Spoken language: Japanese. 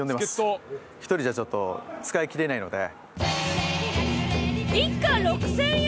一人じゃちょっと使いきれないので。